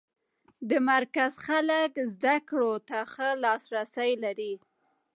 د مرکز خلک زده کړو ته ښه لاس رسی لري.